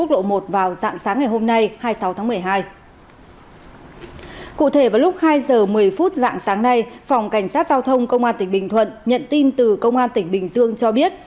trước hai h một mươi phút dạng sáng nay phòng cảnh sát giao thông công an tỉnh bình thuận nhận tin từ công an tỉnh bình dương cho biết